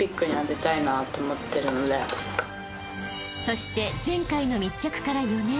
［そして前回の密着から４年］